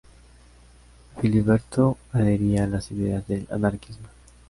Filiberto adhería a las ideas del anarquismo.